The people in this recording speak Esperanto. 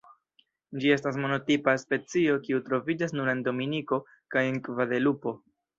Ĝi estas monotipa specio kiu troviĝas nur en Dominiko kaj en Gvadelupo.